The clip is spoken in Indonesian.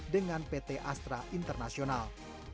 dengan pt astra internasional